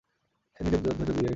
সে নিজের ধৈর্য জিইয়ে রেখেছে।